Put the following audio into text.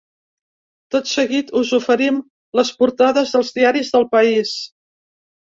Tot seguit, us oferim les portades dels diaris del país.